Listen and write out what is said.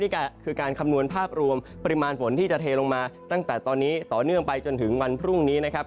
นี่ก็คือการคำนวณภาพรวมปริมาณฝนที่จะเทลงมาตั้งแต่ตอนนี้ต่อเนื่องไปจนถึงวันพรุ่งนี้นะครับ